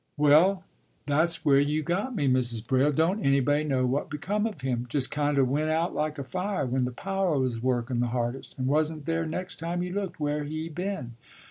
” “Well, that's where you got me, Mrs. Braile. Don't anybody know what become of him. Just kind of went out like a fire, when the Power was workun' the hardest, and wasn't there next time you looked where he been.